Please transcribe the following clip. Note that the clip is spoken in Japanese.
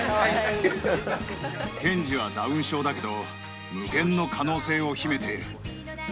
剣侍はダウン症だけど、無限の可能性を秘めている。